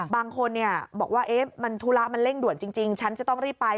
บางคนบอกว่ามันธุระมันเร่งด่วนจริงฉันจะต้องรีบไป